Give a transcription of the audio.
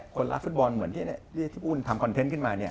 คนรักฟุตบอลเหมือนที่ปุ้นทำคอนเทนต์ขึ้นมา